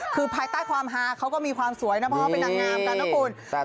คือภายใต้ความฮาเขาก็มีความสวยนะเพราะเขาเป็นนางงามกันนะคุณ